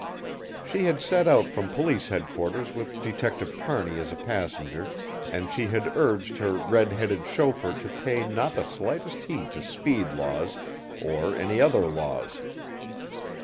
She had set out from Police Headquarters with Detective Kearney as a passenger and she had urged her red headed chauffeur to pay not the slightest heed to speed laws or any other laws.